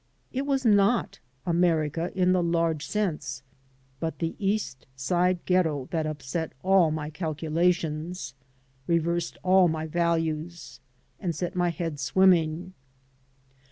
It was not America in the large sense, but the East Side Ghetto that upset all my calculations, reversed all my values, and set my head swimming.